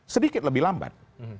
sedikit lebih lambat